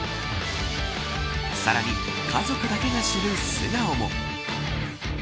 さらに家族だけが知る素顔も。